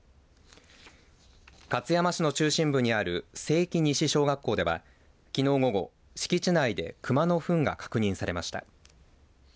勝山市の中心部にある成器西小学校ではきのう午後、敷地内で熊のふんが確認されました。